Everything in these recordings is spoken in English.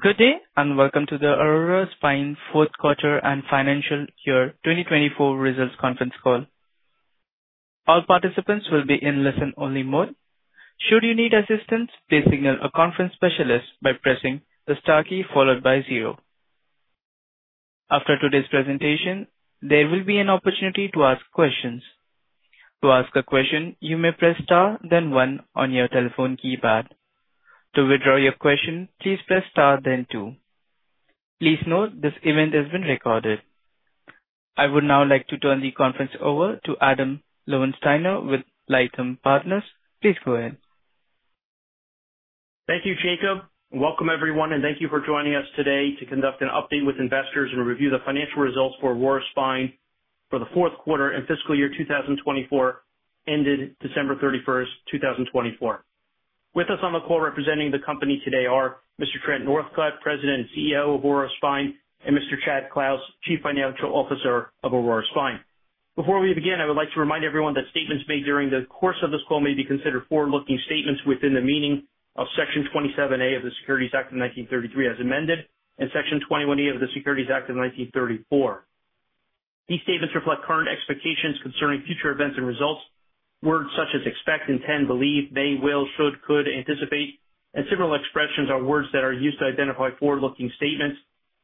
Good day and welcome to the Aurora Spine fourth quarter and financial year 2024 results conference call. All participants will be in listen-only mode. Should you need assistance, please signal a conference specialist by pressing the star key followed by zero. After today's presentation, there will be an opportunity to ask questions. To ask a question, you may press star then one on your telephone keypad. To withdraw your question, please press star then two. Please note this event has been recorded. I would now like to turn the conference over to Adam Lowensteiner with Lytham Partners. Please go ahead. Thank you, Jacob. Welcome, everyone, and thank you for joining us today to conduct an update with investors and review the financial results for Aurora Spine for the fourth quarter and fiscal year 2024 ended December 31st, 2024. With us on the call representing the company today are Mr. Trent Northcutt, President and CEO of Aurora Spine, and Mr. Chad Clouse, Chief Financial Officer of Aurora Spine. Before we begin, I would like to remind everyone that statements made during the course of this call may be considered forward-looking statements within the meaning of Section 27A of the Securities Act of 1933 as amended and Section 21A of the Securities Act of 1934. These statements reflect current expectations concerning future events and results. Words such as expect, intend, believe, may, will, should, could, anticipate, and similar expressions are words that are used to identify forward-looking statements,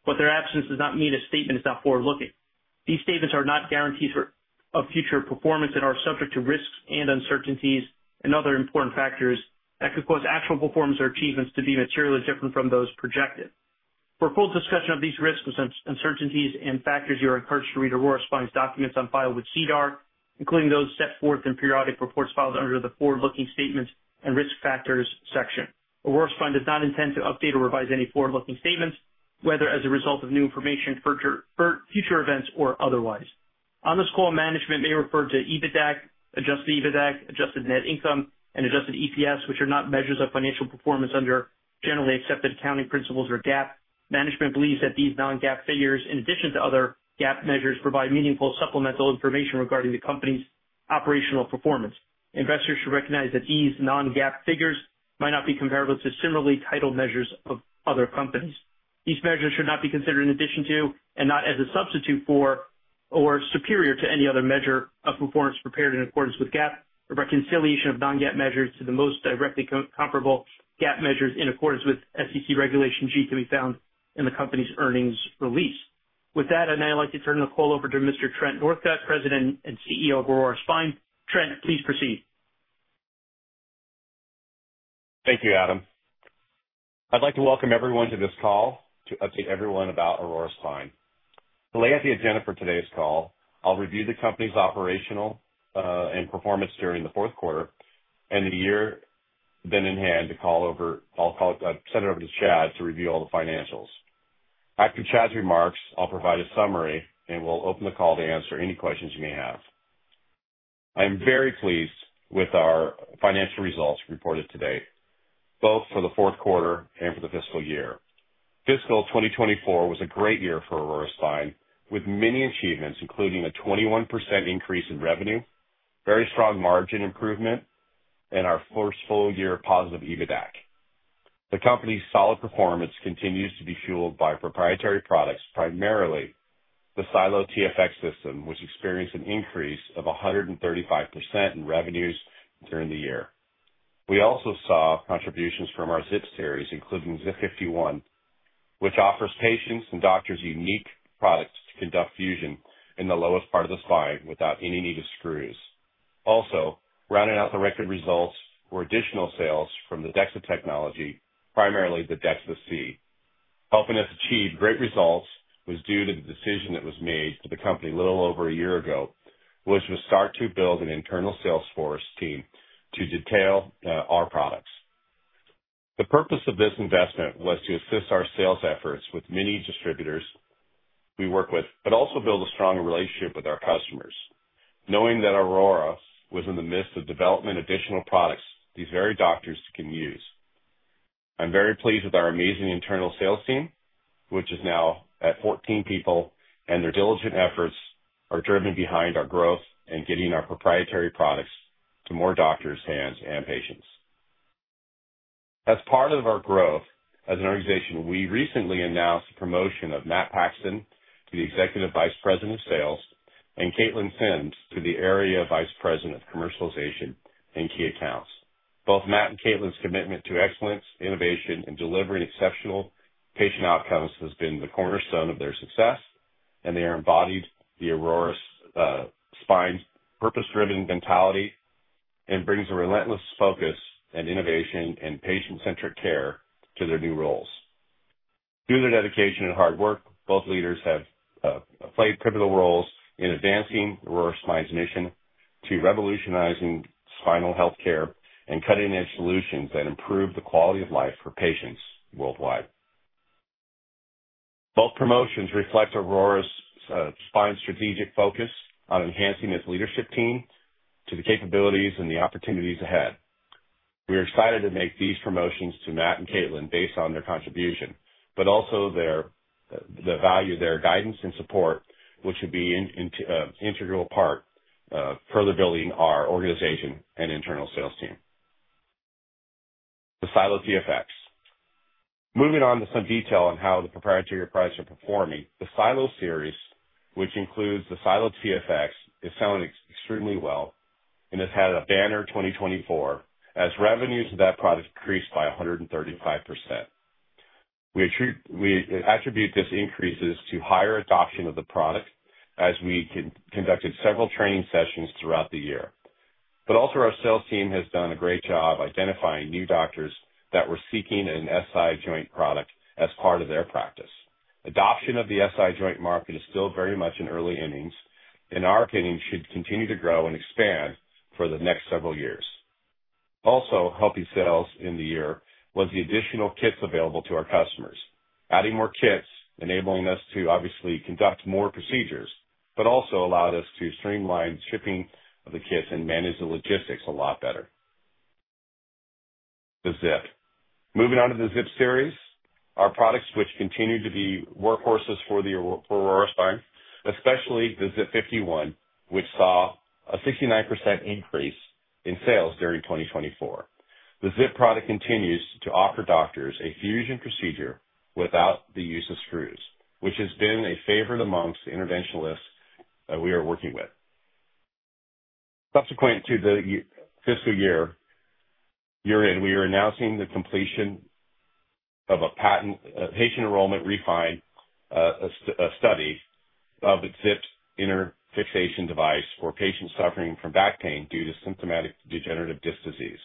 but their absence does not mean a statement is not forward-looking. These statements are not guarantees of future performance and are subject to risks and uncertainties and other important factors that could cause actual performance or achievements to be materially different from those projected. For full discussion of these risks, uncertainties, and factors, you are encouraged to read Aurora Spine's documents on file with SEDAR, including those set forth in periodic reports filed under the forward-looking statements and risk factors section. Aurora Spine does not intend to update or revise any forward-looking statements, whether as a result of new information, future events, or otherwise. On this call, management may refer to EBITDA, Adjusted EBITDA, adjusted net income, and adjusted EPS, which are not measures of financial performance under generally accepted accounting principles or GAAP. Management believes that these non-GAAP figures, in addition to other GAAP measures, provide meaningful supplemental information regarding the company's operational performance. Investors should recognize that these non-GAAP figures might not be comparable to similarly titled measures of other companies. These measures should not be considered in addition to, and not as a substitute for, or superior to any other measure of performance prepared in accordance with GAAP. The reconciliation of non-GAAP measures to the most directly comparable GAAP measures in accordance with SEC Regulation G can be found in the company's earnings release. With that, I'd now like to turn the call over to Mr. Trent Northcutt, President and CEO of Aurora Spine. Trent, please proceed. Thank you, Adam. I'd like to welcome everyone to this call to update everyone about Aurora Spine. The layout is the agenda for today's call. I'll review the company's operational and performance during the fourth quarter and the year then in hand to call over. I'll send it over to Chad to review all the financials. After Chad's remarks, I'll provide a summary and we'll open the call to answer any questions you may have. I am very pleased with our financial results reported today, both for the fourth quarter and for the fiscal year. Fiscal 2024 was a great year for Aurora Spine, with many achievements, including a 21% increase in revenue, very strong margin improvement, and our first full-year positive EBITDA. The company's solid performance continues to be fueled by proprietary products, primarily the SiLO TFX system, which experienced an increase of 135% in revenues during the year. We also saw contributions from our ZIP Series, including ZIP 51, which offers patients and doctors unique products to conduct fusion in the lowest part of the spine without any need of screws. Also, rounding out the record results were additional sales from the DEXA technology, primarily the DEXA-C. Helping us achieve great results was due to the decision that was made to the company a little over a year ago, which was to start to build an internal sales force team to detail our products. The purpose of this investment was to assist our sales efforts with many distributors we work with, but also build a strong relationship with our customers. Knowing that Aurora was in the midst of development, additional products these very doctors can use. I'm very pleased with our amazing internal sales team, which is now at 14 people, and their diligent efforts are driven behind our growth and getting our proprietary products to more doctors, hands, and patients. As part of our growth as an organization, we recently announced the promotion of Matt Paxton to the Executive Vice President of Sales and Caitlin Sims to the Area Vice President of Commercialization and Key Accounts. Both Matt and Caitlin's commitment to excellence, innovation, and delivering exceptional patient outcomes has been the cornerstone of their success, and they are embodied the Aurora Spine's purpose-driven mentality and brings a relentless focus and innovation and patient-centric care to their new roles. Through their dedication and hard work, both leaders have played pivotal roles in advancing Aurora Spine's mission to revolutionizing spinal healthcare and cutting-edge solutions that improve the quality of life for patients worldwide. Both promotions reflect Aurora Spine's strategic focus on enhancing its leadership team to the capabilities and the opportunities ahead. We are excited to make these promotions to Matt and Caitlin based on their contribution, but also the value of their guidance and support, which would be an integral part of further building our organization and internal sales team. The SiLO TFX. Moving on to some detail on how the proprietary products are performing, the SiLO series, which includes the SiLO TFX, is selling extremely well and has had a banner 2024 as revenues of that product increased by 135%. We attribute this increase to higher adoption of the product as we conducted several training sessions throughout the year. Also, our sales team has done a great job identifying new doctors that were seeking an SI joint product as part of their practice. Adoption of the SI joint market is still very much in early innings and, in our opinion, should continue to grow and expand for the next several years. Also, helping sales in the year was the additional kits available to our customers. Adding more kits enabled us to obviously conduct more procedures, but also allowed us to streamline shipping of the kits and manage the logistics a lot better. Moving on to the ZIP series, our products, which continue to be workhorses for Aurora Spine, especially the ZIP 51, which saw a 69% increase in sales during 2024. The ZIP product continues to offer doctors a fusion procedure without the use of screws, which has been a favorite amongst the interventionalists we are working with. Subsequent to the fiscal year end, we are announcing the completion of a patient enrollment REFINE study of the ZIP inner fixation device for patients suffering from back pain due to symptomatic degenerative disc disease.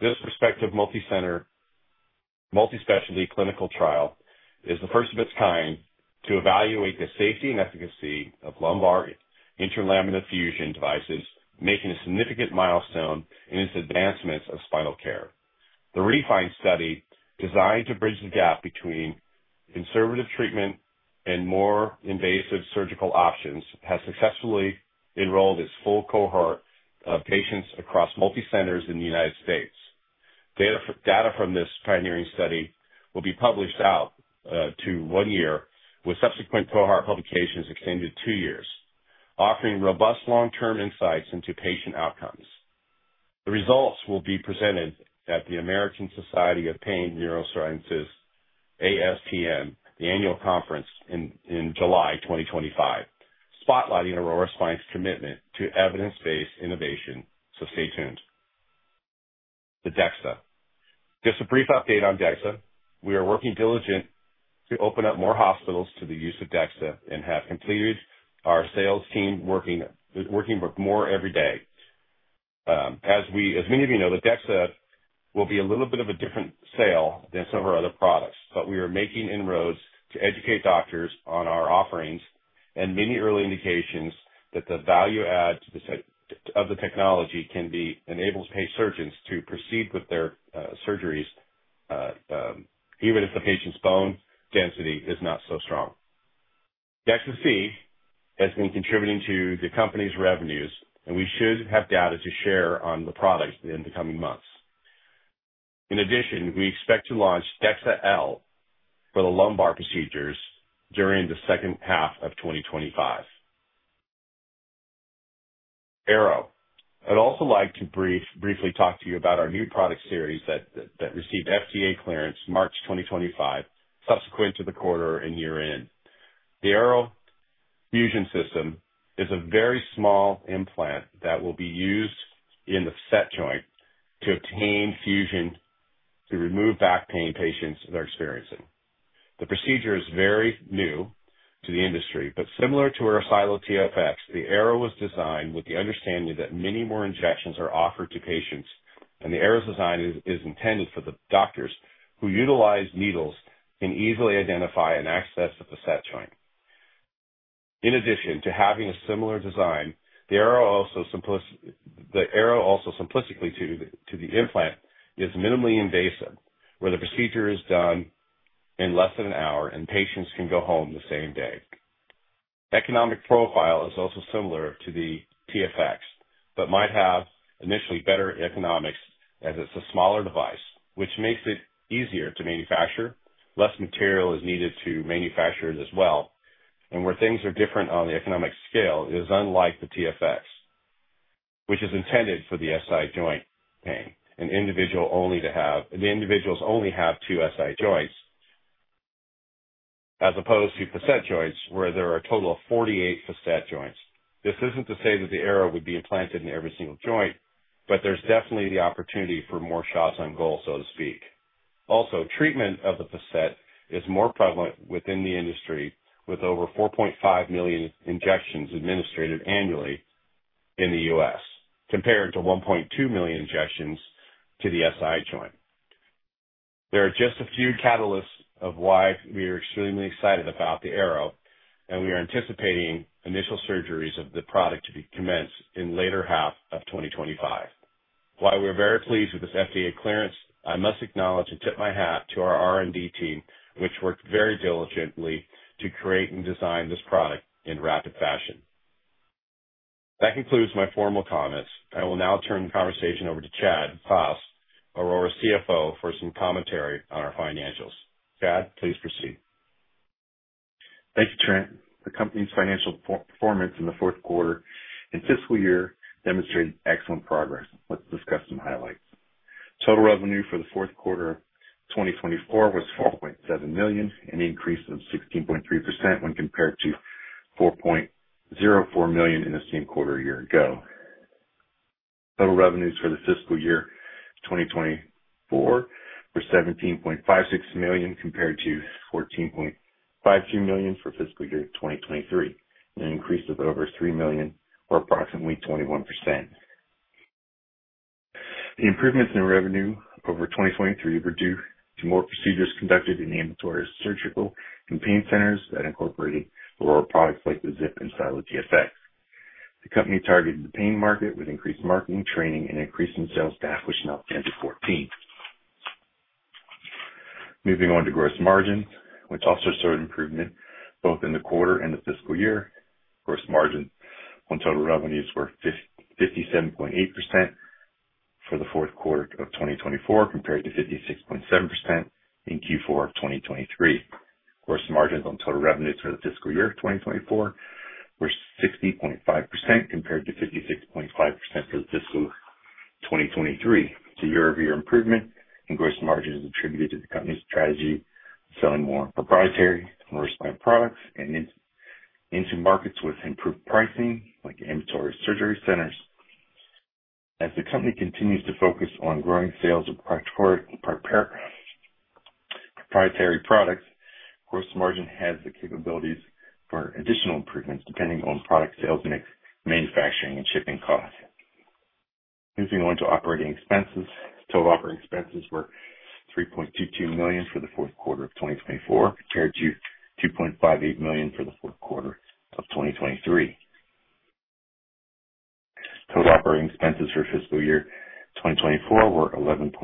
This respective multi-specialty clinical trial is the first of its kind to evaluate the safety and efficacy of lumbar interlaminar fusion devices, making a significant milestone in its advancements of spinal care. The REFINE study, designed to bridge the gap between conservative treatment and more invasive surgical options, has successfully enrolled its full cohort of patients across multi-centers in the United States. Data from this pioneering study will be published out to one year, with subsequent cohort publications extended two years, offering robust long-term insights into patient outcomes. The results will be presented at the American Society of Pain Neurosciences ASPN, the annual conference in July 2025, spotlighting Aurora Spine's commitment to evidence-based innovation. Stay tuned. The DEXA. Just a brief update on DEXA. We are working diligently to open up more hospitals to the use of DEXA and have completed our sales team working with more every day. As many of you know, the DEXA will be a little bit of a different sale than some of our other products, but we are making inroads to educate doctors on our offerings and many early indications that the value add of the technology can be enabled to pay surgeons to proceed with their surgeries, even if the patient's bone density is not so strong. DEXA-C has been contributing to the company's revenues, and we should have data to share on the products in the coming months. In addition, we expect to launch DEXA-L for the lumbar procedures during the second half of 2025. Arrow. I'd also like to briefly talk to you about our new product series that received FDA clearance March 2025, subsequent to the quarter and year-end. The Arrow fusion system is a very small implant that will be used in the facet joint to obtain fusion to remove back pain patients that are experiencing. The procedure is very new to the industry, but similar to our SiLO TFX, the Arrow was designed with the understanding that many more injections are offered to patients, and the Arrow's design is intended for the doctors who utilize needles and easily identify and access the facet joint. In addition to having a similar design, the Arrow also simplistically to the implant is minimally invasive, where the procedure is done in less than an hour, and patients can go home the same day. Economic profile is also similar to the TFX, but might have initially better economics as it's a smaller device, which makes it easier to manufacture. Less material is needed to manufacture it as well. Where things are different on the economic scale is unlike the TFX, which is intended for the SI joint pain. An individual only has two SI joints as opposed to facet joints where there are a total of 48 facet joints. This isn't to say that the Arrow would be implanted in every single joint, but there's definitely the opportunity for more shots on goal, so to speak. Also, treatment of the facet is more prevalent within the industry, with over 4.5 million injections administered annually in the U.S., compared to 1.2 million injections to the SI joint. There are just a few catalysts of why we are extremely excited about the Arrow, and we are anticipating initial surgeries of the product to be commenced in the later half of 2025. While we're very pleased with this FDA clearance, I must acknowledge and tip my hat to our R&D team, which worked very diligently to create and design this product in rapid fashion. That concludes my formal comments. I will now turn the conversation over to Chad Clouse, Aurora CFO, for some commentary on our financials. Chad, please proceed. Thank you, Trent. The company's financial performance in the fourth quarter and fiscal year demonstrated excellent progress. Let's discuss some highlights. Total revenue for the fourth quarter of 2024 was $4.7 million, an increase of 16.3% when compared to $4.04 million in the same quarter a year ago. Total revenues for the fiscal year 2024 were $17.56 million compared to $14.52 million for fiscal year 2023, an increase of over $3 million or approximately 21%. The improvements in revenue over 2023 were due to more procedures conducted in ambulatory surgical and pain centers that incorporated Aurora products like the ZIP and SiLO TFX. The company targeted the pain market with increased marketing, training, and increase in sales staff, which now stands at 14. Moving on to gross margins, which also showed improvement both in the quarter and the fiscal year. Gross margins on total revenues were 57.8% for the fourth quarter of 2024 compared to 56.7% in Q4 of 2023. Gross margins on total revenues for the fiscal year 2024 were 60.5% compared to 56.5% for the fiscal 2023. The year-over-year improvement in gross margins is attributed to the company's strategy of selling more proprietary and Aurora Spine products and into markets with improved pricing like ambulatory surgery centers. As the company continues to focus on growing sales of proprietary products, gross margin has the capabilities for additional improvements depending on product sales and manufacturing and shipping costs. Moving on to operating expenses. Total operating expenses were $3.22 million for the fourth quarter of 2024 compared to $2.58 million for the fourth quarter of 2023. Total operating expenses for fiscal year 2024 were $11.438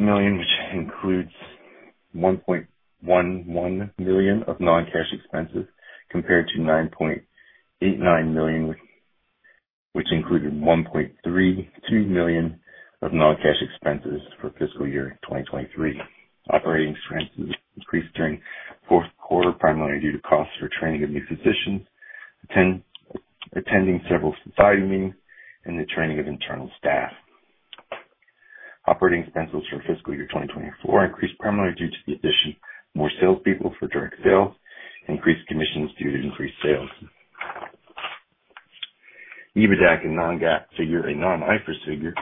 million, which includes $1.11 million of non-cash expenses compared to $9.89 million, which included $1.32 million of non-cash expenses for fiscal year 2023. Operating expenses increased during the fourth quarter primarily due to costs for training of new physicians, attending several society meetings, and the training of internal staff. Operating expenses for fiscal year 2024 increased primarily due to the addition of more salespeople for direct sales, increased commissions due to increased sales. EBITDA and non-IFRS figure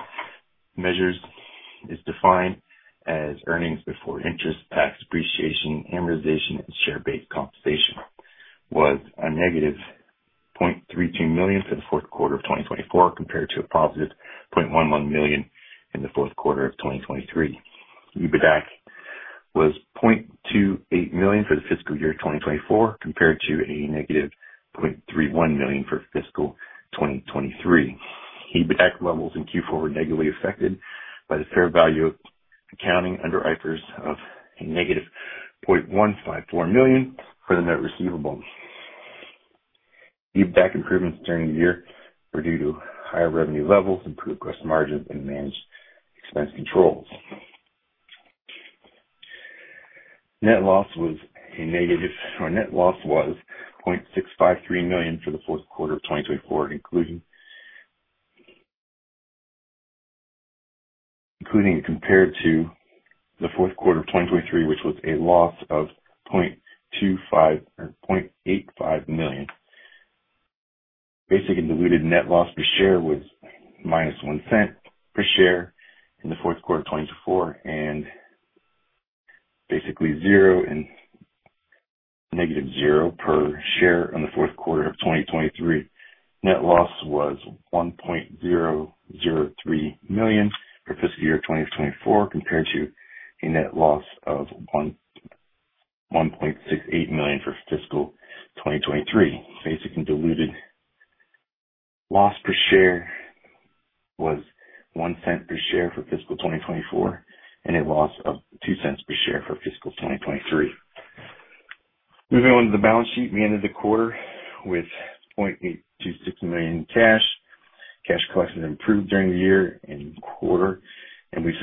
is defined as earnings before interest, tax, depreciation, amortization, and share-based compensation was a -$0.32 million for the fourth quarter of 2024 compared to a +$0.11 million in the fourth quarter of 2023. EBITDA was $0.28 million for the fiscal year 2024 compared to a -$0.31 million for fiscal 2023. EBITDA levels in Q4 were negatively affected by the fair value accounting under IFRS of a -$0.154 million for the net receivable. EBITDA improvements during the year were due to higher revenue levels, improved gross margins, and managed expense controls. Net loss was $0.653 million for the fourth quarter of 2024, including compared to the fourth quarter of 2023, which was a loss of $0.85 million. Basic and diluted net loss per share was minus $0.01 per share in the fourth quarter of 2024 and basically zero and negative zero per share in the fourth quarter of 2023. Net loss was $1.003 million for fiscal year 2024 compared to a net loss of $1.68 million for fiscal 2023. Basic and diluted loss per share was $0.01 per share for fiscal 2024 and a loss of $0.02 per share for fiscal 2023. Moving on to the balance sheet, we ended the quarter with $826,000 in cash. Cash collections improved during the year and quarter, and we've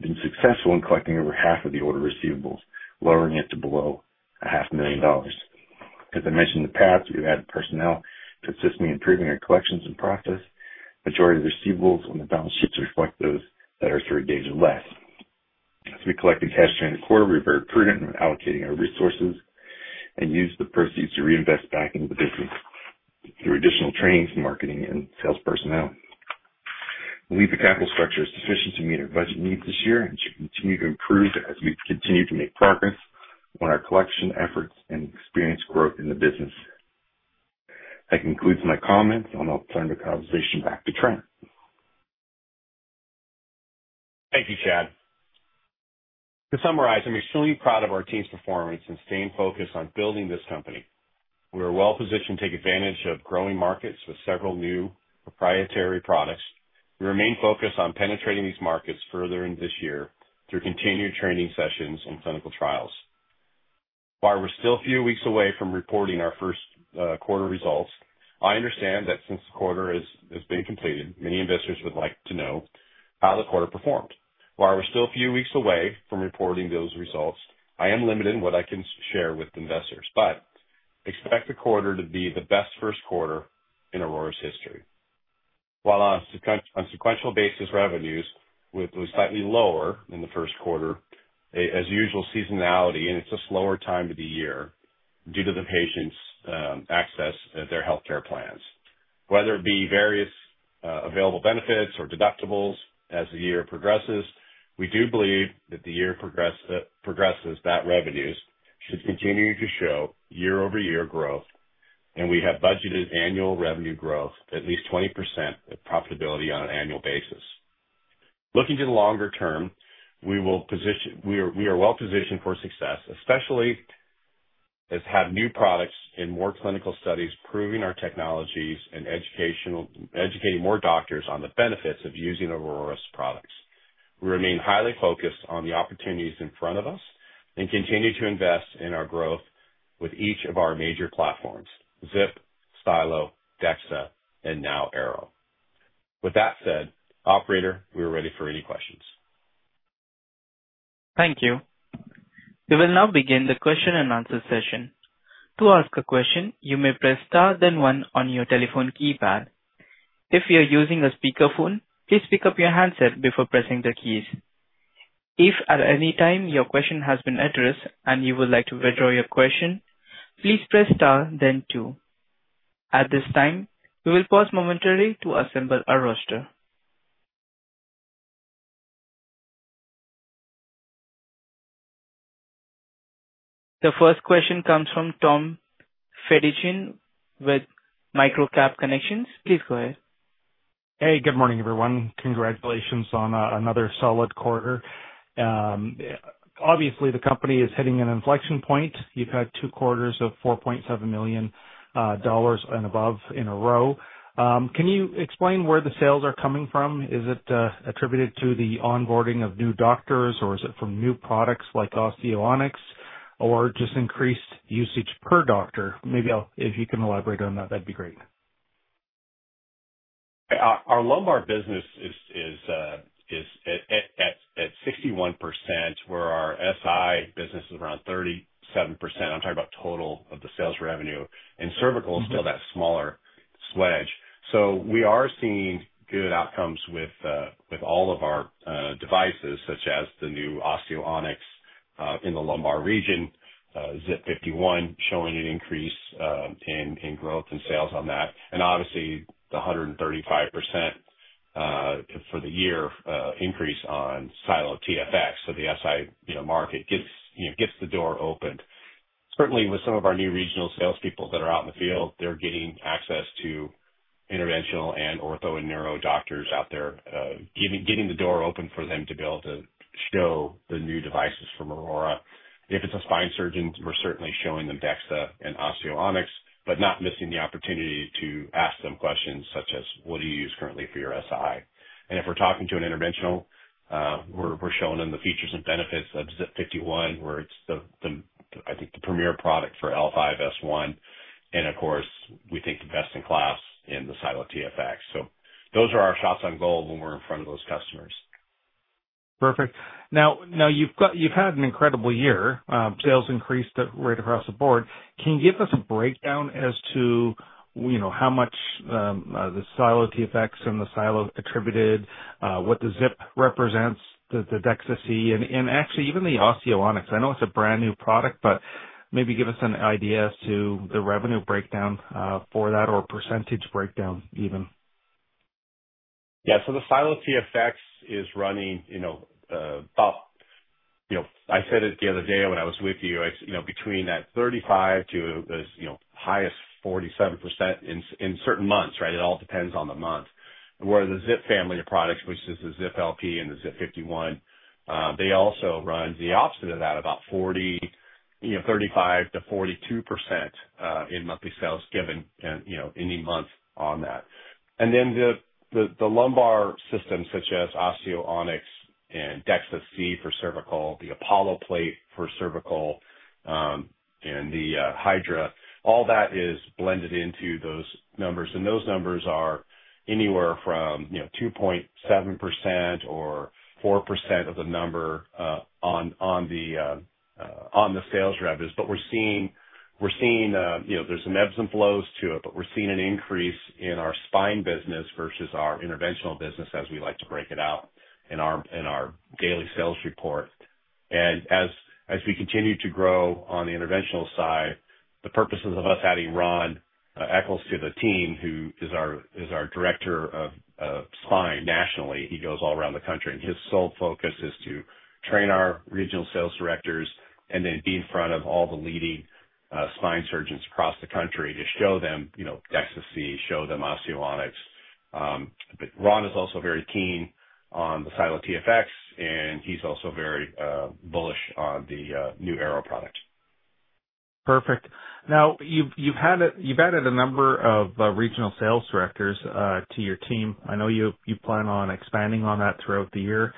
been successful in collecting over half of the order receivables, lowering it to below $500,000. As I mentioned in the past, we've added personnel to assist me in improving our collections and process. Majority of the receivables on the balance sheet reflect those that are 30 days or less. As we collected cash during the quarter, we were very prudent in allocating our resources and used the proceeds to reinvest back into the business through additional trainings, marketing, and sales personnel. We believe the capital structure is sufficient to meet our budget needs this year and should continue to improve as we continue to make progress on our collection efforts and experience growth in the business. That concludes my comments. I'll now turn the conversation back to Trent. Thank you, Chad. To summarize, I'm extremely proud of our team's performance and staying focused on building this company. We are well positioned to take advantage of growing markets with several new proprietary products. We remain focused on penetrating these markets further in this year through continued training sessions and clinical trials. While we're still a few weeks away from reporting our first quarter results, I understand that since the quarter has been completed, many investors would like to know how the quarter performed. While we're still a few weeks away from reporting those results, I am limited in what I can share with investors, but expect the quarter to be the best first quarter in Aurora's history. While on sequential basis, revenues were slightly lower in the first quarter, as usual, seasonality, and it's a slower time of the year due to the patients' access to their healthcare plans. Whether it be various available benefits or deductibles as the year progresses, we do believe that as the year progresses, revenues should continue to show year-over-year growth, and we have budgeted annual revenue growth at least 20% of profitability on an annual basis. Looking to the longer term, we are well positioned for success, especially as we have new products and more clinical studies proving our technologies and educating more doctors on the benefits of using Aurora's products. We remain highly focused on the opportunities in front of us and continue to invest in our growth with each of our major platforms: ZIP, SiLO, DEXA, and now Arrow. With that said, Operator, we are ready for any questions. Thank you. We will now begin the question and answer session. To ask a question, you may press star then one on your telephone keypad. If you're using a speakerphone, please pick up your handset before pressing the keys. If at any time your question has been addressed and you would like to withdraw your question, please press star then two. At this time, we will pause momentarily to assemble a roster. The first question comes from Tom Fedichin with Microcap Connections. Please go ahead. Hey, good morning, everyone. Congratulations on another solid quarter. Obviously, the company is hitting an inflection point. You've had two quarters of $4.7 million and above in a row. Can you explain where the sales are coming from? Is it attributed to the onboarding of new doctors, or is it from new products like Osteo Onyx, or just increased usage per doctor? Maybe if you can elaborate on that, that'd be great. Our lumbar business is at 61%, where our SI business is around 37%. I'm talking about total of the sales revenue. Cervical is still that smaller sledge. We are seeing good outcomes with all of our devices, such as the new Osteo Onyx in the lumbar region, ZIP 51, showing an increase in growth and sales on that. Obviously, the 135% for the year increase on SiLO TFX. The SI market gets the door opened. Certainly, with some of our new regional salespeople that are out in the field, they're getting access to interventional and ortho and neuro doctors out there, getting the door open for them to be able to show the new devices from Aurora. If it's a spine surgeon, we're certainly showing them DEXA and Osteo Onyx, but not missing the opportunity to ask them questions such as, "What do you use currently for your SI?" If we're talking to an interventional, we're showing them the features and benefits of ZIP 51, where it's, I think, the premier product for L5-S1. Of course, we think the best in class is the SiLO TFX. Those are our shots on goal when we're in front of those customers. Perfect. Now, you've had an incredible year. Sales increased right across the board. Can you give us a breakdown as to how much the SiLO TFX and the SiLO attributed, what the ZIP represents, the DEXA-C, and actually even the Osteo Onyx? I know it's a brand new product, but maybe give us an idea as to the revenue breakdown for that or percentage breakdown even. Yeah. The SiLO TFX is running about, I said it the other day when I was with you, between that 35% to as high as 47% in certain months, right? It all depends on the month. Where the ZIP family of products, which is the ZIP LP and the ZIP 51, they also run the opposite of that, about 35%-42% in monthly sales given any month on that. The lumbar systems, such as Osteo Onyx and DEXA-C for cervical, the Apollo Plate for cervical, and the Hydra, all that is blended into those numbers. Those numbers are anywhere from 2.7% or 4% of the number on the sales revenues. We're seeing there's some ebbs and flows to it, but we're seeing an increase in our spine business versus our interventional business, as we like to break it out in our daily sales report. As we continue to grow on the interventional side, the purposes of us having Ron Echols to the team, who is our Director of Spine nationally, he goes all around the country. His sole focus is to train our regional sales directors and then be in front of all the leading spine surgeons across the country to show them DEXA-C, show them Osteo Onyx. Ron is also very keen on the SiLO TFX, and he's also very bullish on the new Arrow product. Perfect. Now, you've added a number of regional sales directors to your team. I know you plan on expanding on that throughout the year.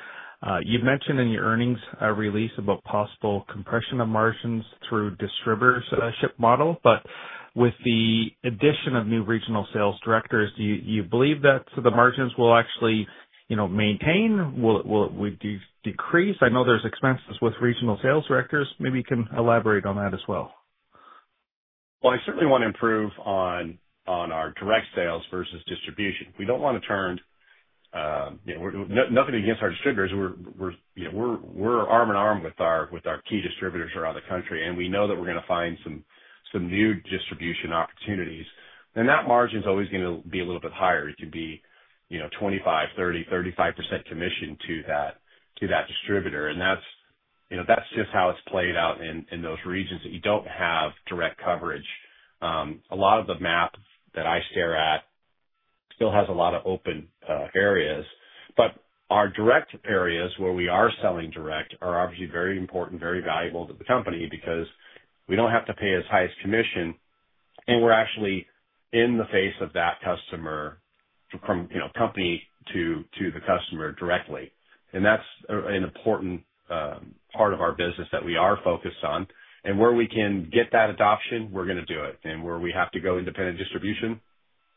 You've mentioned in your earnings release about possible compression of margins through distributorship model. With the addition of new regional sales directors, do you believe that the margins will actually maintain? Will it decrease? I know there's expenses with regional sales directors. Maybe you can elaborate on that as well. I certainly want to improve on our direct sales versus distribution. We do not want to turn nothing against our distributors. We are arm in arm with our key distributors around the country, and we know that we are going to find some new distribution opportunities. That margin is always going to be a little bit higher. It can be 25%, 30%, 35% commission to that distributor. That is just how it has played out in those regions that you do not have direct coverage. A lot of the map that I stare at still has a lot of open areas. Our direct areas where we are selling direct are obviously very important, very valuable to the company because we do not have to pay as high as commission, and we are actually in the face of that customer from company to the customer directly. That is an important part of our business that we are focused on. Where we can get that adoption, we are going to do it. Where we have to go independent distribution,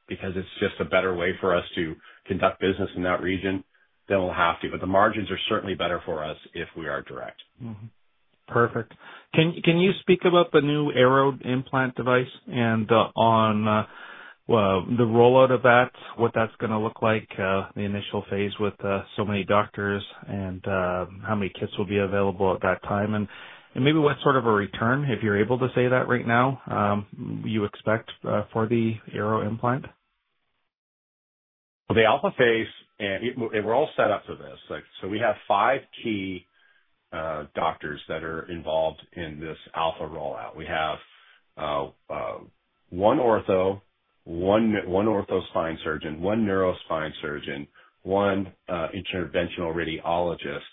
because it is just a better way for us to conduct business in that region, we will have to. The margins are certainly better for us if we are direct. Perfect. Can you speak about the new Arrow implant device and on the rollout of that, what that's going to look like, the initial phase with so many doctors, and how many kits will be available at that time, and maybe what sort of a return, if you're able to say that right now, you expect for the Arrow implant? The alpha phase, and we're all set up for this. We have five key doctors that are involved in this alpha rollout. We have one ortho, one ortho spine surgeon, one neuro spine surgeon, one interventional radiologist,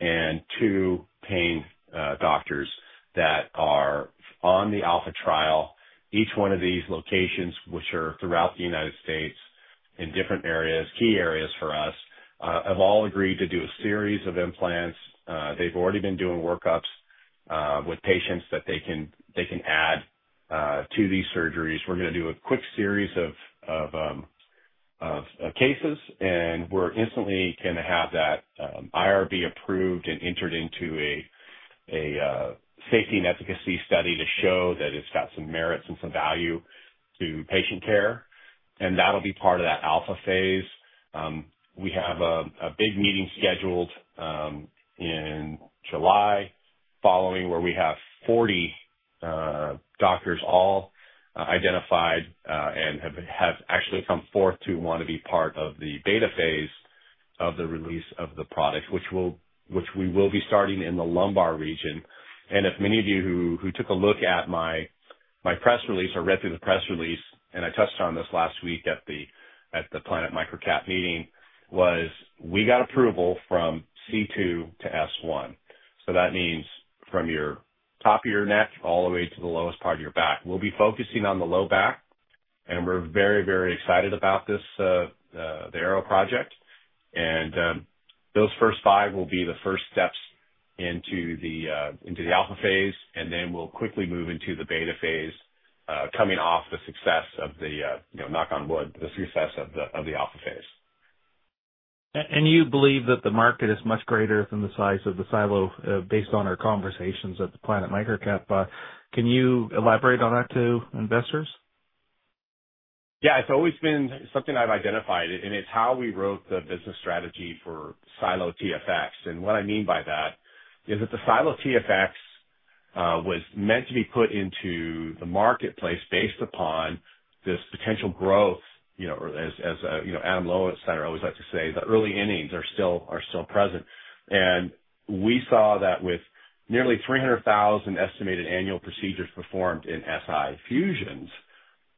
and two pain doctors that are on the alpha trial. Each one of these locations, which are throughout the United States in different areas, key areas for us, have all agreed to do a series of implants. They've already been doing workups with patients that they can add to these surgeries. We're going to do a quick series of cases, and we're instantly going to have that IRB approved and entered into a safety and efficacy study to show that it's got some merits and some value to patient care. That'll be part of that alpha phase. We have a big meeting scheduled in July following where we have 40 doctors all identified and have actually come forth to want to be part of the beta phase of the release of the product, which we will be starting in the lumbar region. If many of you who took a look at my press release or read through the press release, and I touched on this last week at the Planet MicroCap meeting, was we got approval from C2 to S1. That means from your top of your neck all the way to the lowest part of your back. We'll be focusing on the low back, and we're very, very excited about the Arrow project. Those first five will be the first steps into the alpha phase, and then we'll quickly move into the beta phase coming off the success of the, knock on wood, the success of the alpha phase. You believe that the market is much greater than the size of the SiLO based on our conversations at the Planet Microcap. Can you elaborate on that to investors? Yeah. It's always been something I've identified, and it's how we wrote the business strategy for SiLO TFX. What I mean by that is that the SiLO TFX was meant to be put into the marketplace based upon this potential growth, as Adam Lowensteiner always liked to say, the early innings are still present. We saw that with nearly 300,000 estimated annual procedures performed in SI fusions,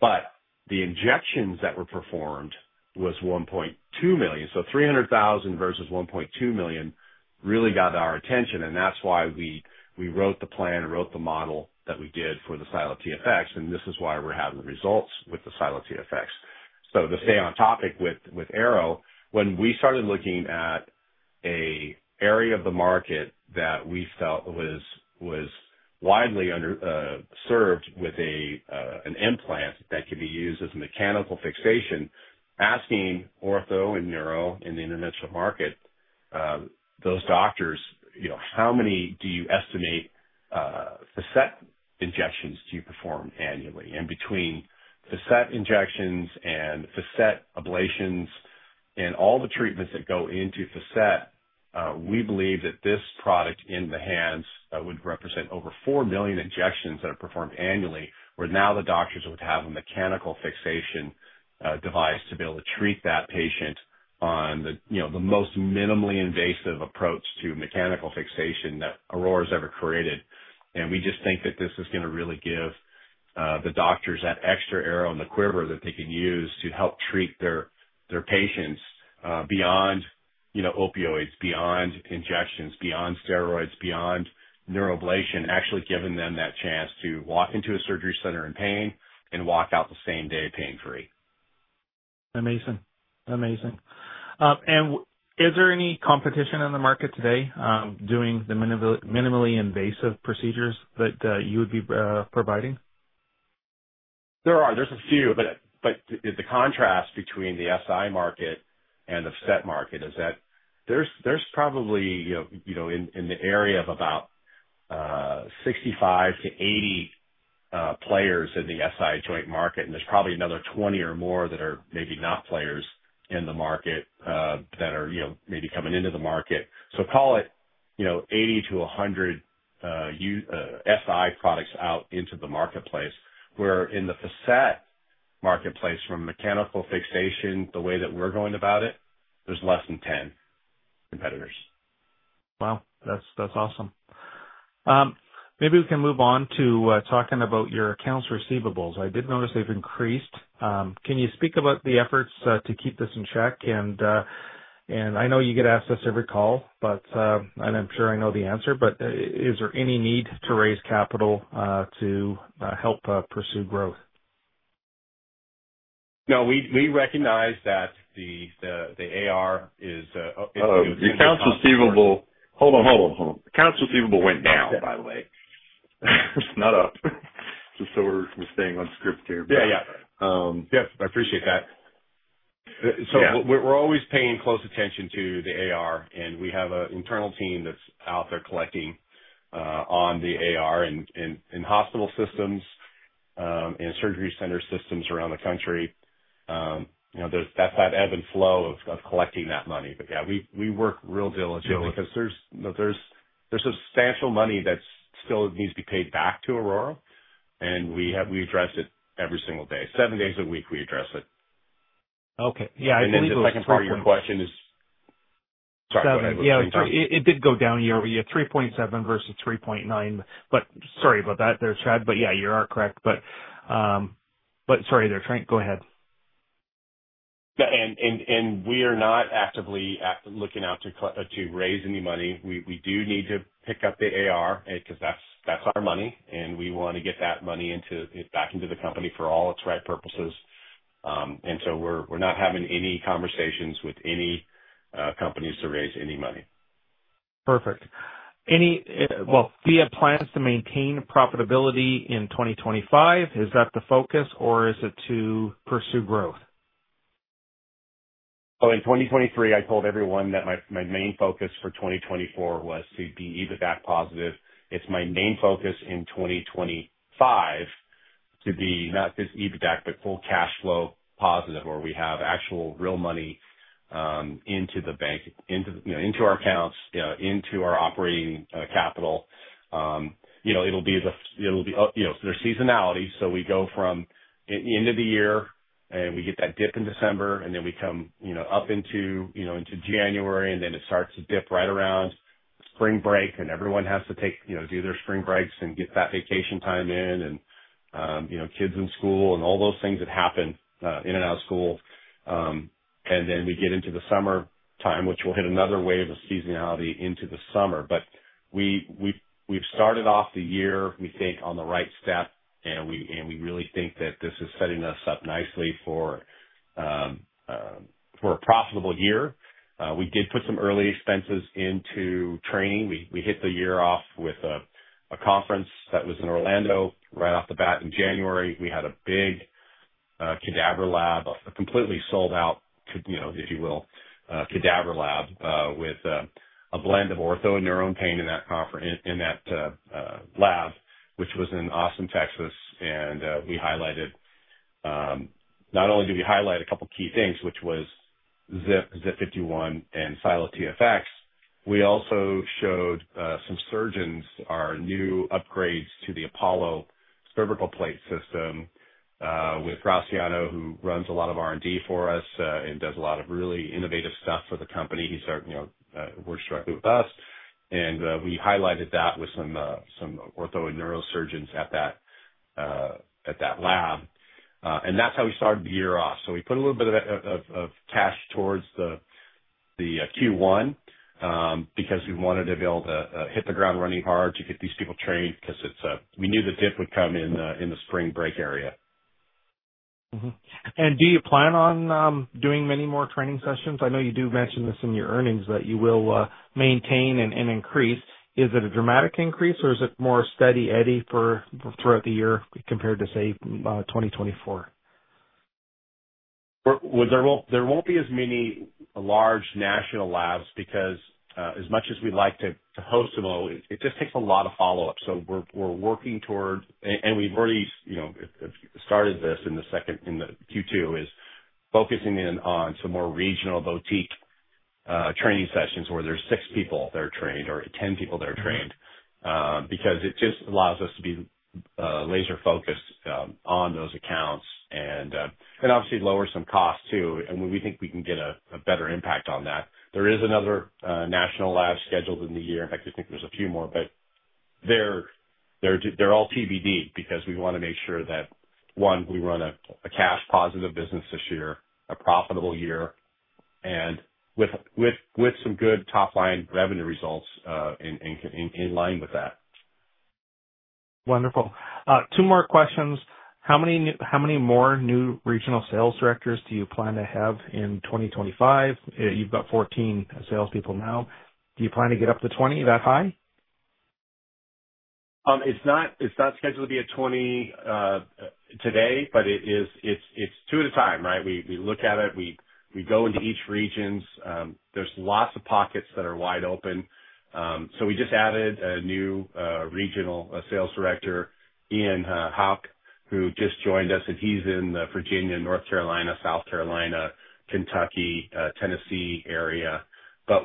but the injections that were performed was 1.2 million. So 300,000 versus 1.2 million really got our attention, and that's why we wrote the plan and wrote the model that we did for the SiLO TFX. This is why we're having results with the SiLO TFX. To stay on topic with Arrow, when we started looking at an area of the market that we felt was widely served with an implant that could be used as a mechanical fixation, asking ortho and neuro in the interventional market, those doctors, how many do you estimate facet injections to perform annually? Between facet injections and facet ablations and all the treatments that go into facet, we believe that this product in the hands would represent over 4 million injections that are performed annually, where now the doctors would have a mechanical fixation device to be able to treat that patient on the most minimally invasive approach to mechanical fixation that Aurora has ever created. We just think that this is going to really give the doctors that extra arrow in the quiver that they can use to help treat their patients beyond opioids, beyond injections, beyond steroids, beyond neuroablation, actually giving them that chance to walk into a surgery center in pain and walk out the same day pain-free. Amazing. Amazing. Is there any competition in the market today doing the minimally invasive procedures that you would be providing? There are. There's a few. The contrast between the SI market and the facet market is that there's probably in the area of about 65-80 players in the SI joint market, and there's probably another 20 or more that are maybe not players in the market that are maybe coming into the market. Call it 80-100 SI products out into the marketplace, where in the facet marketplace from mechanical fixation, the way that we're going about it, there's less than 10 competitors. Wow. That's awesome. Maybe we can move on to talking about your accounts receivables. I did notice they've increased. Can you speak about the efforts to keep this in check? I know you get asked this every call, and I'm sure I know the answer, but is there any need to raise capital to help pursue growth? No. We recognize that the AR is. Oh, your accounts receivable—hold on, hold on, hold on. Accounts receivable went down, by the way. It's not up. Just so we're staying on script here. Yeah, yeah. Yep. I appreciate that. We're always paying close attention to the AR, and we have an internal team that's out there collecting on the AR in hospital systems and surgery center systems around the country. That's that ebb and flow of collecting that money. Yeah, we work real diligently because there's substantial money that still needs to be paid back to Aurora, and we address it every single day. Seven days a week, we address it. Okay. Yeah. I believe that's. The second part of your question is—sorry. Seven. It did go down. You have 3.7 versus 3.9. Sorry about that there, Chad. You are correct. Sorry, they are trying—go ahead. We are not actively looking out to raise any money. We do need to pick up the AR because that's our money, and we want to get that money back into the company for all its right purposes. We are not having any conversations with any companies to raise any money. Perfect. Do you have plans to maintain profitability in 2025? Is that the focus, or is it to pursue growth? In 2023, I told everyone that my main focus for 2024 was to be EBITDA positive. It's my main focus in 2025 to be not just EBITDA, but full cash flow positive, where we have actual real money into the bank, into our accounts, into our operating capital. It will be the—it will be—there's seasonality. We go from the end of the year, and we get that dip in December, and then we come up into January, and then it starts to dip right around spring break, and everyone has to take—do their spring breaks and get that vacation time in, and kids in school, and all those things that happen in and out of school. We get into the summertime, which will hit another wave of seasonality into the summer. We have started off the year, we think, on the right step, and we really think that this is setting us up nicely for a profitable year. We did put some early expenses into training. We hit the year off with a conference that was in Orlando right off the bat in January. We had a big cadaver lab, a completely sold out, if you will, cadaver lab with a blend of ortho and neuro pain in that lab, which was in Austin, Texas. We highlighted—not only did we highlight a couple of key things, which were ZIP 51 and SiLO TFX, we also showed some surgeons our new upgrades to the Apollo Plate system with Grauciano, who runs a lot of R&D for us and does a lot of really innovative stuff for the company. He works directly with us. We highlighted that with some ortho and neuro surgeons at that lab. That is how we started the year off. We put a little bit of cash towards the Q1 because we wanted to be able to hit the ground running hard to get these people trained because we knew the dip would come in the spring break area. Do you plan on doing many more training sessions? I know you do mention this in your earnings that you will maintain and increase. Is it a dramatic increase, or is it more steady, Eddie, for throughout the year compared to, say, 2024? There won't be as many large national labs because as much as we'd like to host them all, it just takes a lot of follow-up. We are working toward, and we've already started this in the second in the Q2, focusing in on some more regional boutique training sessions where there are six people that are trained or 10 people that are trained because it just allows us to be laser-focused on those accounts and obviously lower some costs too. We think we can get a better impact on that. There is another national lab scheduled in the year. In fact, I think there are a few more, but they are all TBD because we want to make sure that, one, we run a cash-positive business this year, a profitable year, and with some good top-line revenue results in line with that. Wonderful. Two more questions. How many more new regional sales directors do you plan to have in 2025? You've got 14 salespeople now. Do you plan to get up to 20 that high? It's not scheduled to be a 20 today, but it's two at a time, right? We look at it. We go into each region. There's lots of pockets that are wide open. We just added a new regional sales director, Ian Hauck, who just joined us, and he's in Virginia, North Carolina, South Carolina, Kentucky, Tennessee area.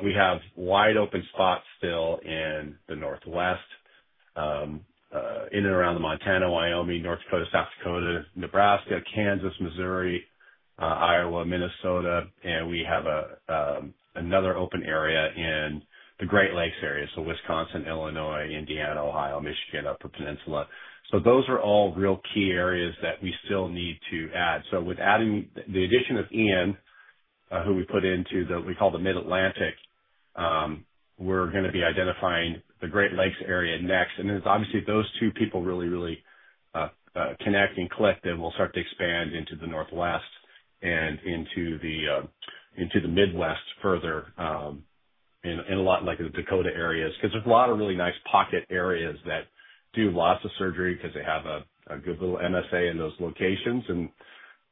We have wide open spots still in the Northwest, in and around Montana, Wyoming, North Dakota, South Dakota, Nebraska, Kansas, Missouri, Iowa, Minnesota, and we have another open area in the Great Lakes area, so Wisconsin, Illinois, Indiana, Ohio, Michigan, Upper Peninsula. Those are all real key areas that we still need to add. With adding the addition of Ian, who we put into the—we call the Mid-Atlantic—we're going to be identifying the Great Lakes area next. If those two people really, really connect and click, then we'll start to expand into the Northwest and into the Midwest further in a lot like the Dakota areas because there's a lot of really nice pocket areas that do lots of surgery because they have a good little MSA in those locations, and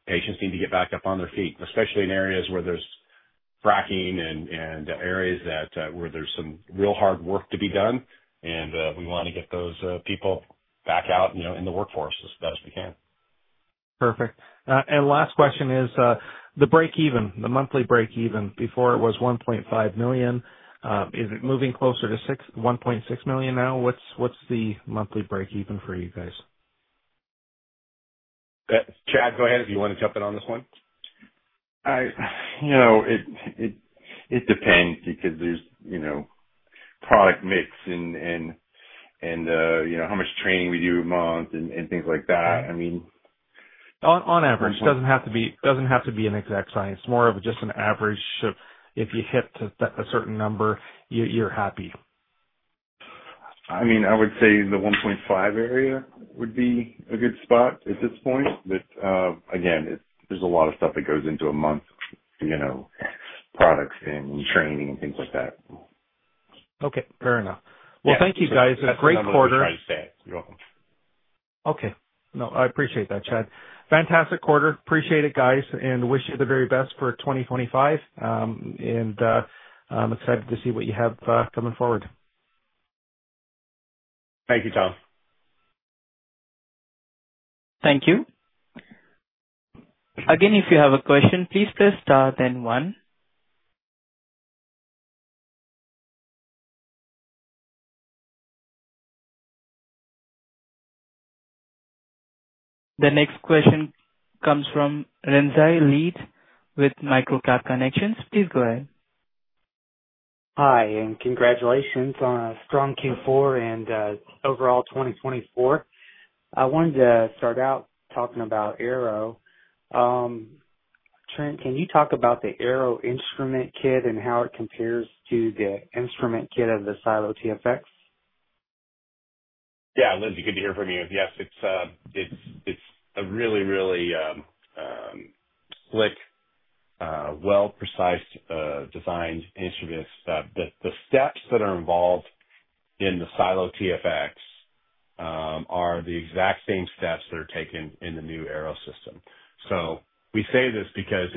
patients need to get back up on their feet, especially in areas where there's fracking and areas where there's some real hard work to be done. We want to get those people back out in the workforce as best we can. Perfect. Last question is the break-even, the monthly break-even. Before, it was $1.5 million. Is it moving closer to $1.6 million now? What is the monthly break-even for you guys? Chad, go ahead if you want to jump in on this one. It depends because there's product mix and how much training we do a month and things like that. I mean. On average. It doesn't have to be—it doesn't have to be an exact science. It's more of just an average of if you hit a certain number, you're happy. I mean, I would say the $1.5 million area would be a good spot at this point. Again, there's a lot of stuff that goes into a month: products and training and things like that. Okay. Fair enough. Thank you, guys. A great quarter. You're welcome. Okay. No, I appreciate that, Chad. Fantastic quarter. Appreciate it, guys, and wish you the very best for 2025. I'm excited to see what you have coming forward. Thank you, Tom. Thank you. Again, if you have a question, please press star then one. The next question comes from Lindsay Leeds with Microcap Connections. Please go ahead. Hi, and congratulations on a strong Q4 and overall 2024. I wanted to start out talking about AERO. Trent, can you talk about the AERO instrument kit and how it compares to the instrument kit of the SiLO TFX? Yeah, Lindsay, good to hear from you. Yes, it's a really, really slick, well-precised designed instrument. The steps that are involved in the SiLO TFX are the exact same steps that are taken in the new AERO implant device. We say this because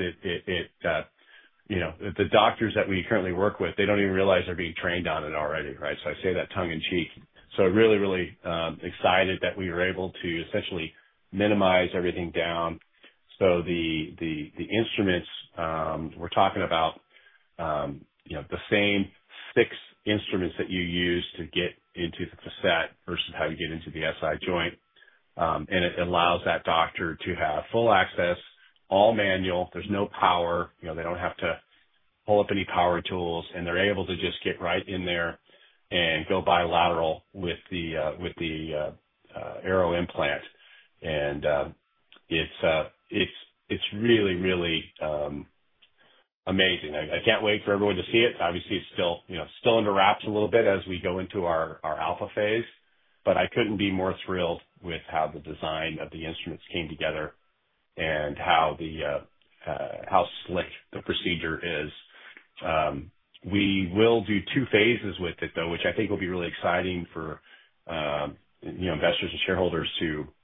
the doctors that we currently work with, they don't even realize they're being trained on it already, right? I say that tongue in cheek. I'm really, really excited that we were able to essentially minimize everything down. The instruments we're talking about, the same six instruments that you use to get into the facet versus how you get into the SI joint, and it allows that doctor to have full access, all manual. There's no power. They don't have to pull up any power tools, and they're able to just get right in there and go bilateral with the AERO implant device. It is really, really amazing. I can't wait for everyone to see it. Obviously, it is still under wraps a little bit as we go into our alpha phase, but I couldn't be more thrilled with how the design of the instruments came together and how slick the procedure is. We will do two phases with it, though, which I think will be really exciting for investors and shareholders to understand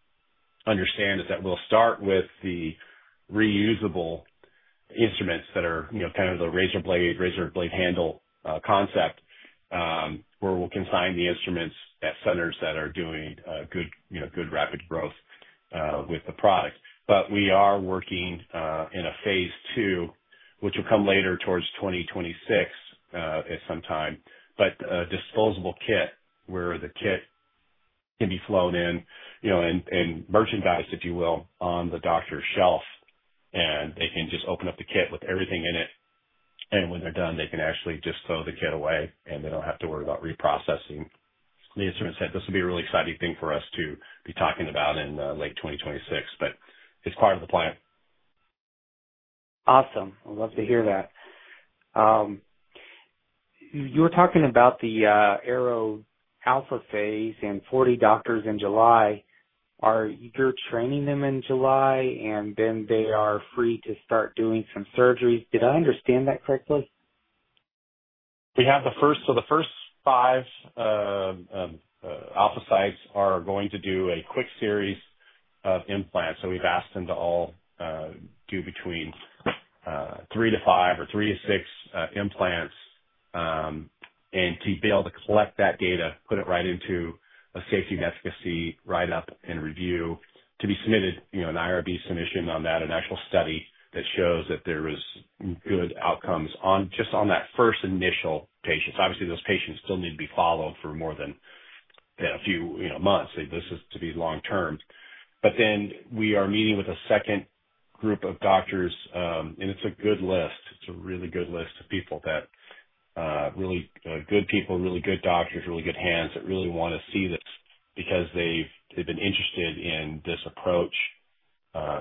is that we will start with the reusable instruments that are kind of the razor blade handle concept, where we will consign the instruments at centers that are doing good rapid growth with the product. We are working in a phase two, which will come later towards 2026 at some time, but a disposable kit where the kit can be flown in and merchandised, if you will, on the doctor's shelf, and they can just open up the kit with everything in it. When they're done, they can actually just throw the kit away, and they don't have to worry about reprocessing the instrument set. This will be a really exciting thing for us to be talking about in late 2026, but it's part of the plan. Awesome. I love to hear that. You were talking about the AERO alpha phase and 40 doctors in July. Are you training them in July, and then they are free to start doing some surgeries? Did I understand that correctly? We have the first. The first five alpha sites are going to do a quick series of implants. We have asked them to all do between three to five or three to six implants and to be able to collect that data, put it right into a safety and efficacy write-up and review to be submitted, an IRB submission on that, an actual study that shows that there were good outcomes just on that first initial patient. Obviously, those patients still need to be followed for more than a few months. This is to be long-term. We are meeting with a second group of doctors, and it's a good list. It's a really good list of people, really good people, really good doctors, really good hands that really want to see this because they have been interested in this approach,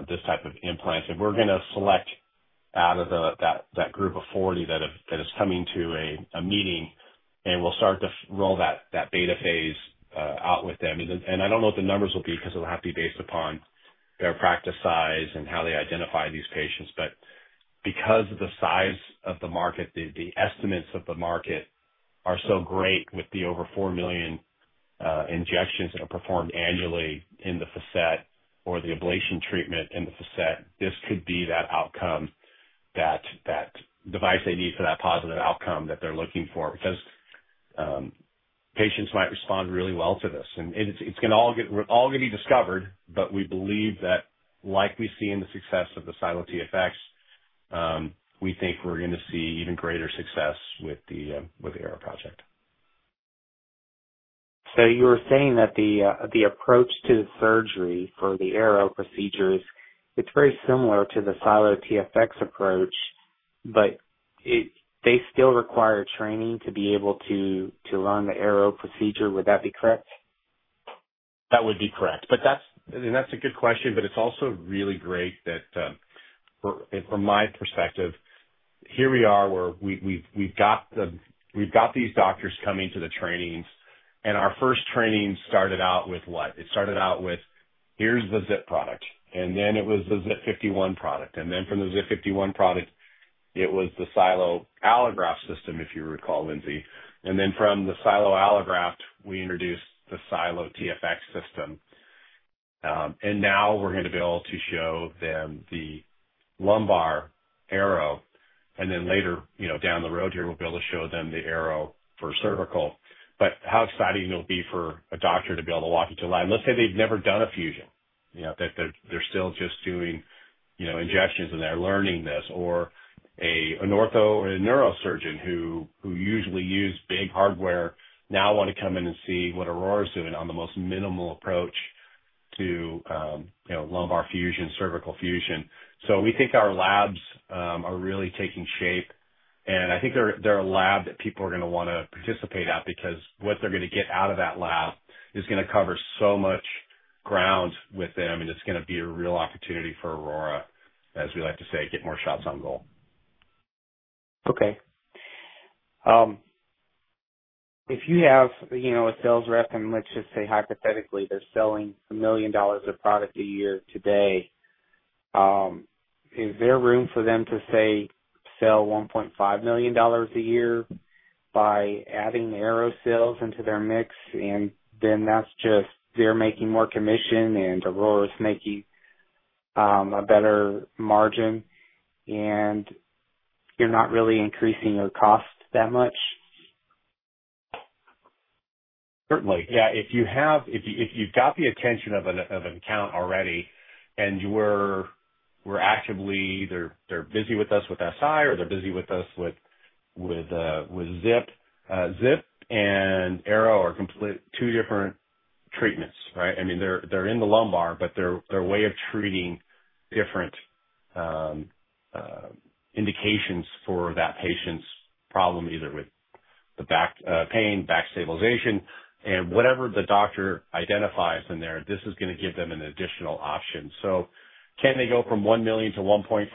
this type of implant. We're going to select out of that group of 40 that is coming to a meeting, and we'll start to roll that beta phase out with them. I don't know what the numbers will be because it'll have to be based upon their practice size and how they identify these patients. Because of the size of the market, the estimates of the market are so great with the over 4 million injections that are performed annually in the facet or the ablation treatment in the facet, this could be that outcome, that device they need for that positive outcome that they're looking for because patients might respond really well to this. It is going to all get, we are all going to be discovered, but we believe that like we see in the success of the SiLO TFX, we think we are going to see even greater success with the AERO implant device project. You were saying that the approach to the surgery for the AERO procedures, it's very similar to the SiLO TFX approach, but they still require training to be able to run the AERO procedure. Would that be correct? That would be correct. That's a good question, but it's also really great that from my perspective, here we are where we've got these doctors coming to the trainings, and our first training started out with what? It started out with, "Here's the ZIP product." Then it was the ZIP 51 product. From the ZIP 51 product, it was the SiLO allograft system, if you recall, Lindsay. From the SiLO allograft, we introduced the SiLO TFX system. Now we're going to be able to show them the lumbar AERO. Later down the road here, we'll be able to show them the AERO for cervical. How exciting it'll be for a doctor to be able to walk into a lab. Let's say they've never done a fusion, that they're still just doing injections and they're learning this, or an ortho or a neurosurgeon who usually use big hardware now want to come in and see what Aurora's doing on the most minimal approach to lumbar fusion, cervical fusion. We think our labs are really taking shape. I think they're a lab that people are going to want to participate at because what they're going to get out of that lab is going to cover so much ground with them, and it's going to be a real opportunity for Aurora, as we like to say, get more shots on goal. Okay. If you have a sales rep, and let's just say hypothetically, they're selling $1 million of product a year today, is there room for them to say, "Sell $1.5 million a year by adding AERO sales into their mix," and then that's just they're making more commission and Aurora's making a better margin, and you're not really increasing your cost that much? Certainly. Yeah. If you've got the attention of an account already and we're actively they're busy with us with SI or they're busy with us with ZIP. ZIP and AERO are two different treatments, right? I mean, they're in the lumbar, but they're a way of treating different indications for that patient's problem, either with the back pain, back stabilization, and whatever the doctor identifies in there, this is going to give them an additional option. Can they go from $1 million-$1.5 million?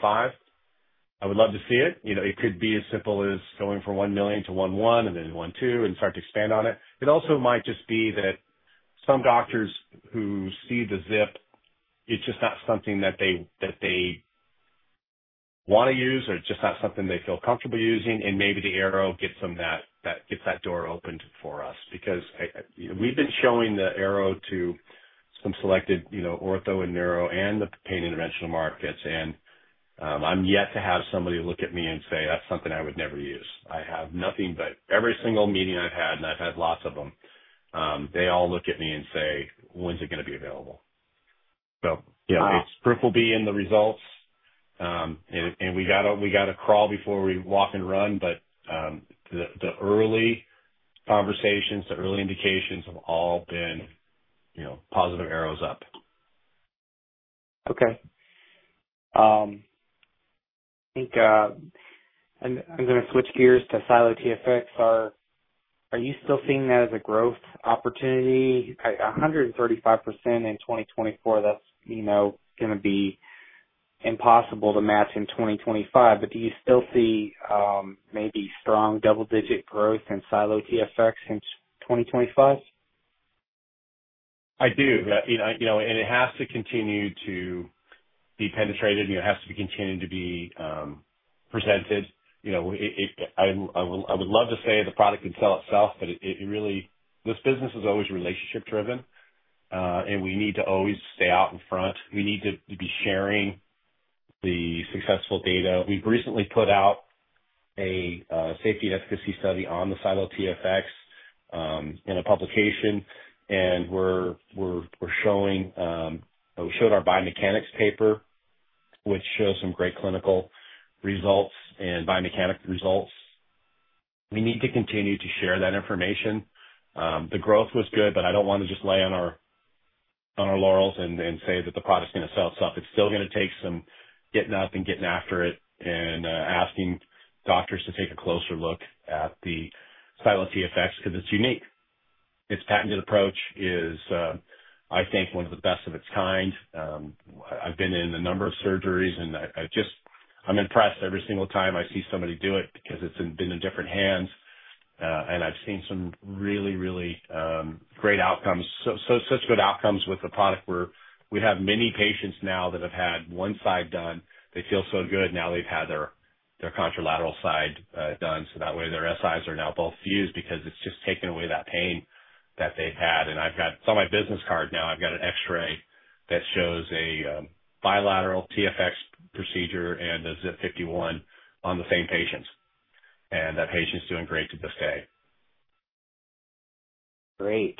I would love to see it. It could be as simple as going from $1 million-$1.1 million and then $1.2 million and start to expand on it. It also might just be that some doctors who see the ZIP, it's just not something that they want to use or just not something they feel comfortable using, and maybe the AERO gets them that gets that door opened for us because we've been showing the AERO to some selected ortho and neuro and the pain interventional markets, and I'm yet to have somebody look at me and say, "That's something I would never use." I have nothing but every single meeting I've had, and I've had lots of them, they all look at me and say, "When's it going to be available?" Yeah, proof will be in the results, and we got to crawl before we walk and run, but the early conversations, the early indications have all been positive arrows up. Okay. I think I'm going to switch gears to SiLO TFX. Are you still seeing that as a growth opportunity? 135% in 2024, that's going to be impossible to match in 2025, but do you still see maybe strong double-digit growth in SiLO TFX in 2025? I do. It has to continue to be penetrated, and it has to continue to be presented. I would love to say the product can sell itself, but this business is always relationship-driven, and we need to always stay out in front. We need to be sharing the successful data. We've recently put out a safety and efficacy study on the SiLO TFX in a publication, and we're showing we showed our biomechanics paper, which shows some great clinical results and biomechanic results. We need to continue to share that information. The growth was good, but I don't want to just lay on our laurels and say that the product's going to sell itself. It's still going to take some getting up and getting after it and asking doctors to take a closer look at the SiLO TFX because it's unique. Its patented approach is, I think, one of the best of its kind. I've been in a number of surgeries, and I'm impressed every single time I see somebody do it because it's been in different hands, and I've seen some really, really great outcomes, such good outcomes with the product. We have many patients now that have had one side done. They feel so good. Now they've had their contralateral side done. That way, their SIs are now both fused because it's just taken away that pain that they've had. It's on my business card now. I've got an X-ray that shows a bilateral TFX procedure and a ZIP 51 on the same patients, and that patient's doing great to this day. Great.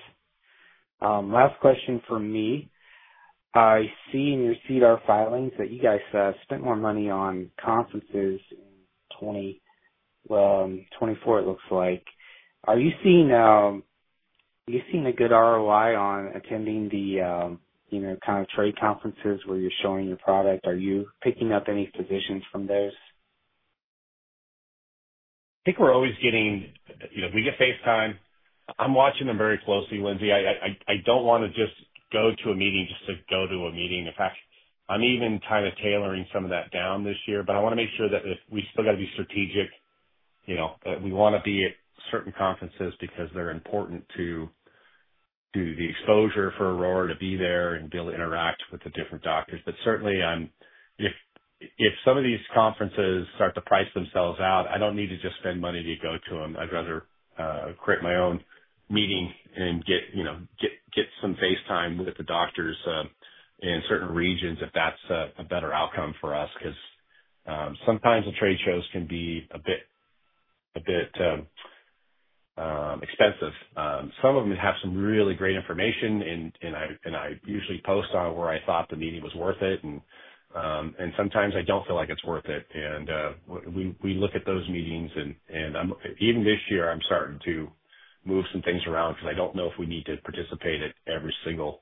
Last question for me. I see in your CDR filings that you guys spent more money on conferences in 2024, it looks like. Are you seeing a good ROI on attending the kind of trade conferences where you're showing your product? Are you picking up any positions from those? I think we're always getting we get FaceTime. I'm watching them very closely, Lindsay. I don't want to just go to a meeting just to go to a meeting. In fact, I'm even kind of tailoring some of that down this year, but I want to make sure that we still got to be strategic. We want to be at certain conferences because they're important to the exposure for Aurora to be there and be able to interact with the different doctors. Certainly, if some of these conferences start to price themselves out, I don't need to just spend money to go to them. I'd rather create my own meeting and get some FaceTime with the doctors in certain regions if that's a better outcome for us because sometimes the trade shows can be a bit expensive. Some of them have some really great information, and I usually post on where I thought the meeting was worth it, and sometimes I do not feel like it is worth it. We look at those meetings, and even this year, I am starting to move some things around because I do not know if we need to participate at every single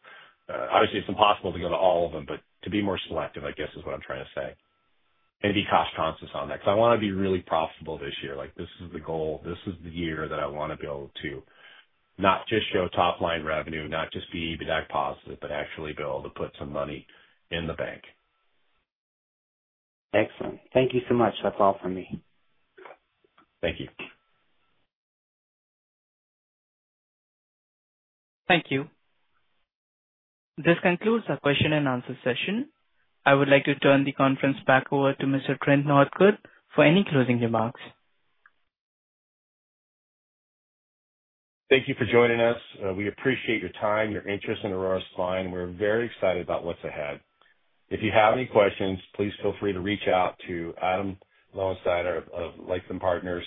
one. Obviously, it is impossible to go to all of them, but to be more selective, I guess, is what I am trying to say, and be cost-conscious on that because I want to be really profitable this year. This is the goal. This is the year that I want to be able to not just show top-line revenue, not just be EBITDA positive, but actually be able to put some money in the bank. Excellent. Thank you so much. That's all for me. Thank you. Thank you. This concludes our question-and-answer session. I would like to turn the conference back over to Mr. Trent Northcutt for any closing remarks. Thank you for joining us. We appreciate your time, your interest in Aurora Spine, and we're very excited about what's ahead. If you have any questions, please feel free to reach out to Adam Lowensteiner of Lytham Partners,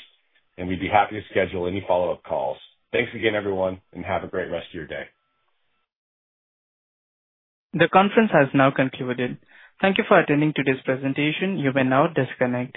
and we'd be happy to schedule any follow-up calls. Thanks again, everyone, and have a great rest of your day. The conference has now concluded. Thank you for attending today's presentation. You may now disconnect.